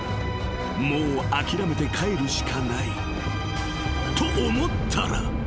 ［もう諦めて帰るしかない］［と思ったら］